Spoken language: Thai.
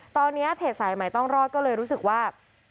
ตอนนี้เพจสายใหม่ต้องรอดก็เลยรู้สึกว่า